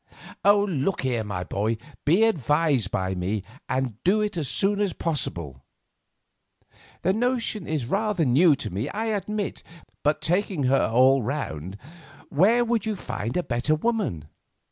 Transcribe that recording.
Look here, my boy, be advised by me, and do it as soon as possible. The notion is rather new to me, I admit; but, taking her all round, where would you find a better woman?